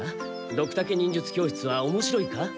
ドクタケ忍術教室はおもしろいか？